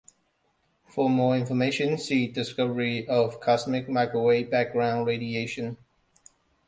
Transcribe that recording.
For more information, see "Discovery of cosmic microwave background radiation".